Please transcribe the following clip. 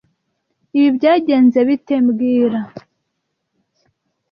Ibi byagenze bite mbwira